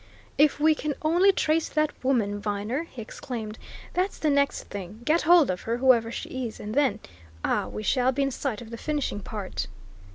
"If we can only trace that woman, Viner!" he exclaimed. "That's the next thing! Get hold of her, whoever she is, and then ah, we shall be in sight of the finishing part."